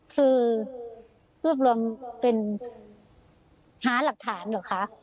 คือรวบรวมเป็นหาหลักฐานเหรอคะ